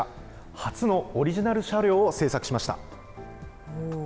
初のオリジナル車両を制作しました。